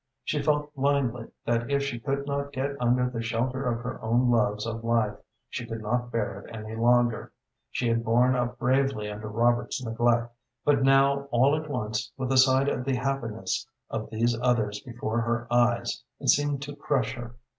She felt blindly that if she could not get under the shelter of her own loves of life she could not bear it any longer. She had borne up bravely under Robert's neglect, but now all at once, with the sight of the happiness of these others before her eyes, it seemed to crush her.